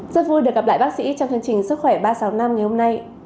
rất vui được gặp lại bác sĩ trong chương trình sức khỏe ba trăm sáu mươi năm ngày hôm nay